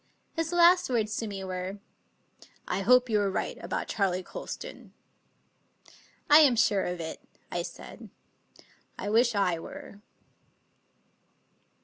His last words to me were: " I hope you are right about Charley Colston." " I am sure of it," I said. " I wish I were."